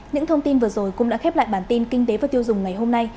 những thông tin vừa rồi cũng đã khép lại bản tin kinh tế và tiêu dùng ngày hôm nay